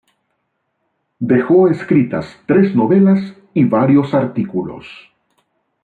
Dejó escritas tres novelas, y varios artículos.